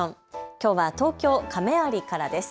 きょうは東京亀有からです。